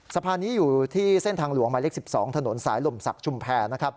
สะพานนี้อยู่ที่เส้นทางหลวงหมายเลข๑๒ถนนสายลมศักดิ์ชุมแพร